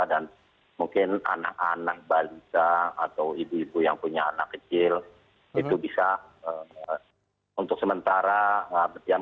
dan mungkin anak anak balita atau ibu ibu yang punya anak kecil itu bisa untuk sementara berdiam